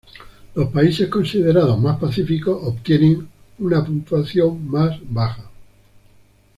Los países considerados más pacíficos obtienen una puntuación más baja.